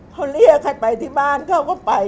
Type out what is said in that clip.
เขาเรียกให้ไปที่บ้านเขาก็ไป